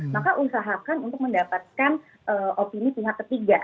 maka usahakan untuk mendapatkan opini pihak ketiga